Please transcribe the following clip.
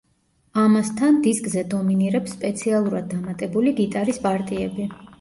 ამასთან, დისკზე დომინირებს სპეციალურად დამატებული გიტარის პარტიები.